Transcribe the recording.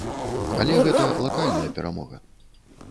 Але гэта лакальная перамога.